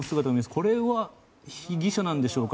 これは被疑者なんでしょうか。